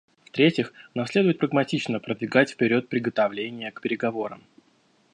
В-третьих, нам следует прагматично продвигать вперед приготовления к переговорам.